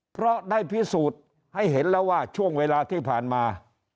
เพราะได้พิสูจน์ให้เห็นแล้วว่าช่วงเวลาที่ผ่านมา